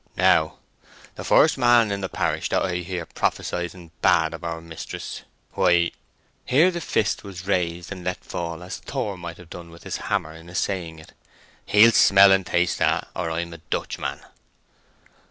"Now—the first man in the parish that I hear prophesying bad of our mistress, why" (here the fist was raised and let fall as Thor might have done with his hammer in assaying it)—"he'll smell and taste that—or I'm a Dutchman."